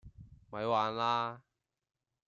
咪玩啦